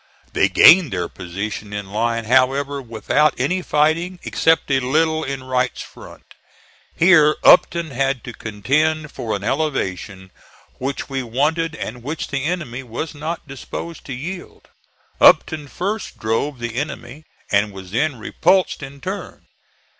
They gained their position in line, however, without any fighting, except a little in Wright's front. Here Upton had to contend for an elevation which we wanted and which the enemy was not disposed to yield. Upton first drove the enemy, and was then repulsed in turn.